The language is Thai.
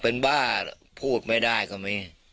เป็นว่าพูดไม่ได้ก็มี